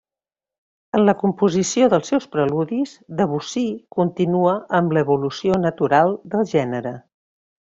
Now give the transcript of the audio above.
En la composició dels seus Preludis, Debussy continua amb l'evolució natural del gènere.